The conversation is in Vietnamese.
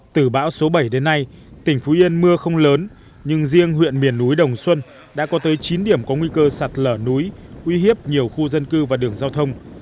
từ bão số bảy đến nay tỉnh phú yên mưa không lớn nhưng riêng huyện miền núi đồng xuân đã có tới chín điểm có nguy cơ sạt lở núi uy hiếp nhiều khu dân cư và đường giao thông